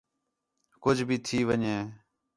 کُج بھی تھی ون٘ڄے